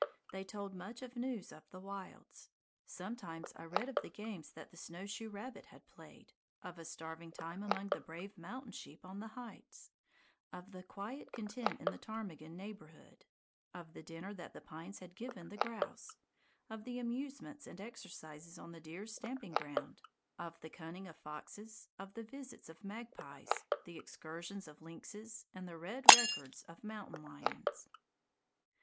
They told much of news of the wilds. Sometimes I read of the games that the snowshoe rabbit had played; of a starving time among the brave mountain sheep on the heights; of the quiet content in the ptarmigan neighborhood; of the dinner that the pines had given the grouse; of the amusements and exercises on the deer's stamping ground; of the cunning of foxes; of the visits of magpies, the excursions of lynxes, and the red records of mountain lions.